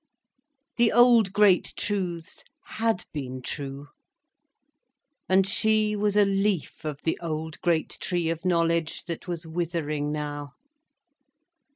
The old great truths had been true. And she was a leaf of the old great tree of knowledge that was withering now.